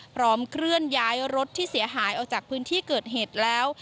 พร้อมเคลื่อนย้ายรถที่เสียหายออกจากพื้นที่เกิดเหตุแล้ว